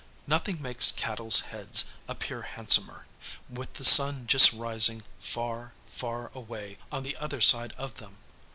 Nothing makes cattle's heads appear handsomer, with the sun just rising far, far away on the other side of them.